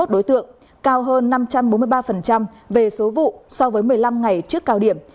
một một trăm chín mươi một đối tượng cao hơn năm trăm bốn mươi ba về số vụ so với một mươi năm ngày trước cao điểm